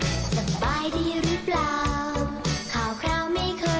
สบายดีหรือเปล่าข่าวไม่เคยรู้